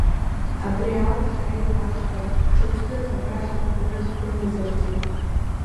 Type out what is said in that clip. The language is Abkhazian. Абри ауп ҳара иуаҳҳәо, шықәсык абра ҳартәаны ҳумазаргьы.